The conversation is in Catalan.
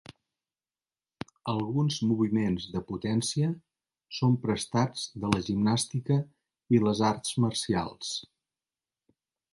Alguns moviments de potència són prestats de la gimnàstica i les arts marcials.